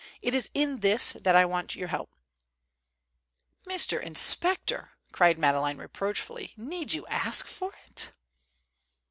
It is in this that I want your help." "Mr. Inspector," cried Madeleine reproachfully, "need you ask for it?"